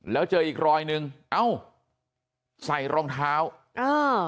แล้วเจออีกรอยหนึ่งเอ้าใส่รองเท้าเออ